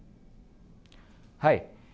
はい。